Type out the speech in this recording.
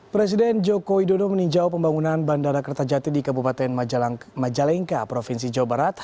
presiden joko widodo meninjau pembangunan bandara kertajati di kabupaten majalengka provinsi jawa barat